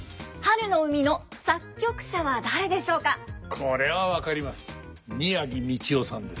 これは分かります。